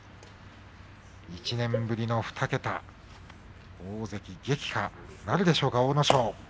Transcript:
１年ぶりの２桁大関撃破なるでしょうか。